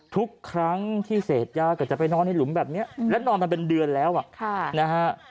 ทุกครั้งที่เสพยาก็จะไปนอนในหลุมแบบนี้และนอนมาเป็นเดือนแล้วนะฮะ